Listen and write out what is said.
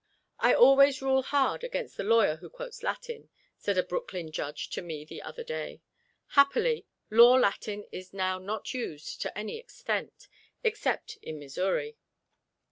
"I always rule hard against the lawyer who quotes Latin," said a Brooklyn judge to me the other day. Happily, Law Latin is now not used to any extent, except in Missouri.